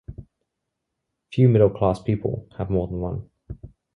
Few middle class people have more than one.